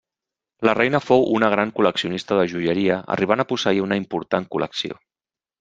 La reina fou una gran col·leccionista de joieria arribant a posseir una important col·lecció.